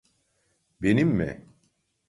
Benim mi?